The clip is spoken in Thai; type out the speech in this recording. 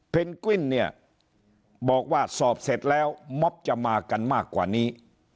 วิ้นเนี่ยบอกว่าสอบเสร็จแล้วม็อบจะมากันมากกว่านี้